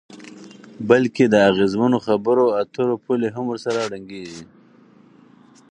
بلکې د اغیزمنو خبرو اترو پولې هم ورسره ړنګیږي.